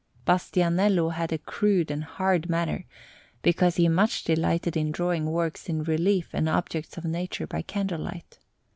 Bastianello had a crude and hard manner, because he much delighted in drawing works in relief and objects of Nature by candle light.